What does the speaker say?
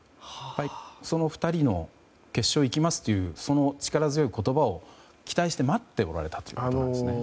その２人の決勝行きますという力強い言葉を期待して待っておられたということなんですね。